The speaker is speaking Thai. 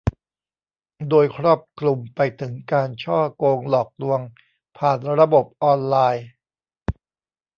โดยครอบคลุมไปถึงการฉ้อโกงหลอกลวงผ่านระบบออนไลน์